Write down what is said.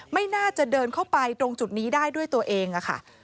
ไม่น่าจะเดินเข้าไปตรงจุดนี้ได้ด้วยตัวเองค่ะ